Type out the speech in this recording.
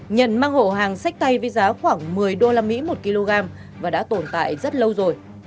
nhận mang hộ hàng sách tay với giá khoảng một mươi usd một kg và đã tồn tại rất lâu rồi